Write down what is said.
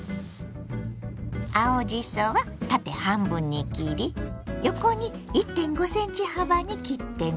青じそは縦半分に切り横に１．５ｃｍ幅に切ってね。